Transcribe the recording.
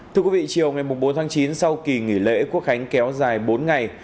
thưa quý vị chiều ngày bốn tháng chín sau kỳ nghỉ lễ quốc khánh kéo dài bốn ngày